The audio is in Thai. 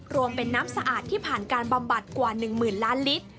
รวมเป็นน้ำสะอาดที่ผ่านการบำบัดกว่า๑๐๐๐ล้านลิตร